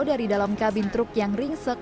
dari dalam kabin truk yang ringsek